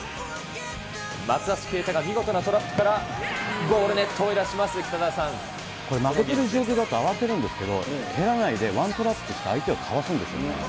松橋啓太が見事なトラップから、ゴールネットを揺らします、これ、負けてる状況だと慌てるんですけど、蹴らないでワントラップして、相手をかわすんですよね。